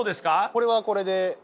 これはこれで。